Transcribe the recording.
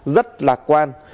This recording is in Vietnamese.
rất lạc quan